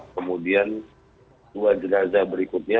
kemudian dua jenazah berikutnya